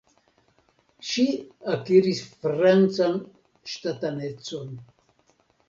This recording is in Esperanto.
Ŝi akiris francan ŝtatanecon.